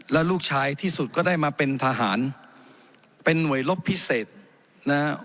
แล้วลูกชายที่สุดก็ได้มาเป็นทหารเป็นหน่วยลบพิเศษนะฮะ